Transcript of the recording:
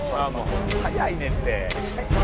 「早いねんて」